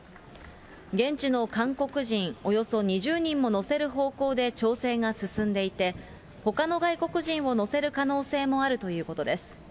現地の韓国人およそ２０人も乗せる方向で、調整が進んでいて、ほかの外国人を乗せる可能性もあるということです。